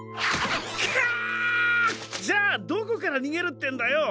カァッじゃあどこからにげるってんだよ。